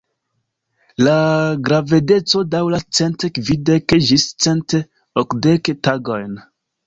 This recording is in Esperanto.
La gravedeco daŭras cent kvindek ĝis cent okdek tagojn.